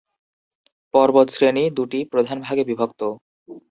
পর্বতশ্রেণী দুটি প্রধান ভাগে বিভক্ত।